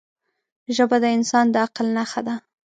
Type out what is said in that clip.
ژبه د انسان د عقل نښه ده